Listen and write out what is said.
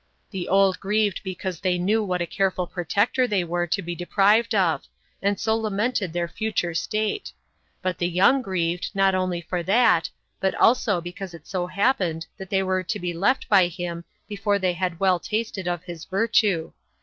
The old grieved because they knew what a careful protector they were to be deprived of, and so lamented their future state; but the young grieved, not only for that, but also because it so happened that they were to be left by him before they had well tasted of his virtue.